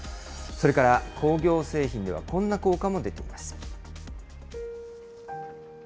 それから工業製品ではこんな効果も出ています。